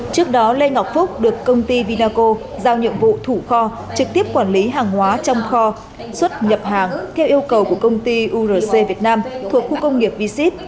trước đó lê ngọc phúc được công ty vinaco giao nhiệm vụ thủ kho trực tiếp quản lý hàng hóa trong kho xuất nhập hàng theo yêu cầu của công ty urc việt nam thuộc khu công nghiệp v sit